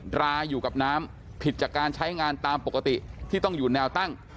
ราอยู่กับน้ำผิดจากการใช้งานตามปกติที่ต้องอยู่แนวตั้ง